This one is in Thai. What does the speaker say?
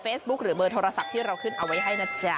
หรือเบอร์โทรศัพท์ที่เราขึ้นเอาไว้ให้นะจ๊ะ